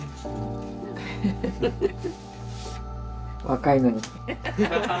若いのに。